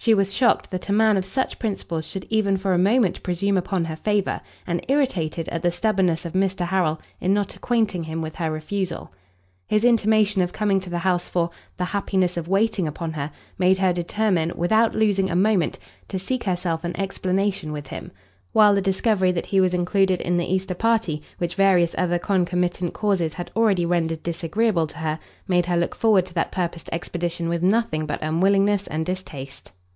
She was shocked that a man of such principles should even for a moment presume upon her favour, and irritated at the stubbornness of Mr. Harrel in not acquainting him with her refusal. His intimation of coming to the house for the happiness of waiting upon her, made her determine, without losing a moment, to seek herself an explanation with him: while the discovery that he was included in the Easter party, which various other concomitant causes had already rendered disagreeable to her, made her look forward to that purposed expedition with nothing but unwillingness and distaste.